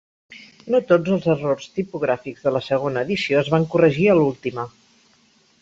No tots els errors tipogràfics de la segona edició es van corregir a l'última.